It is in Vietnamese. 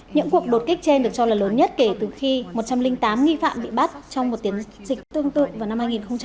những cuộc đột kích trên được cho là lớn nhất kể từ khi một trăm linh tám nghi phạm bị bắt trong một tiến dịch tương tự vào năm hai nghìn một mươi